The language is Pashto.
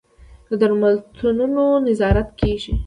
د درملتونونو نظارت کیږي؟